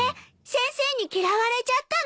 先生に嫌われちゃったの？